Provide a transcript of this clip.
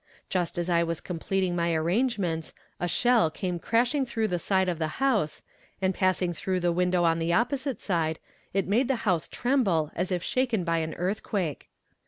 Just as I was completing my arrangements, a shell came crashing through the side of the house, and passing through the window on the opposite side, it made the house tremble as if shaken by an earthquake.